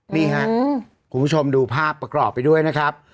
นี่ครับคุณผู้ชมดูภาพประกอบไปด้วยนะครับ